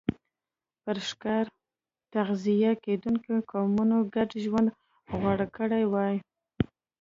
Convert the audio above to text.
پر ښکار تغذیه کېدونکو قومونو ګډ ژوند غوره کړی وای.